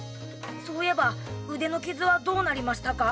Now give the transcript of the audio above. そういえば腕の傷はどうなりましたか？